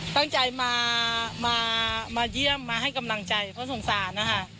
ตั้งใจมามาเยี่ยมมาให้กำลังใจเพราะสงสารนะคะ